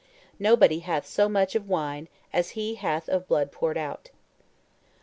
Nobody hath so much of wine as he hath of blood poured out.